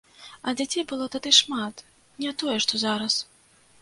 А дзяцей было тады шмат, не тое што зараз.